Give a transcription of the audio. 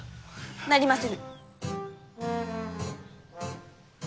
なりませぬ！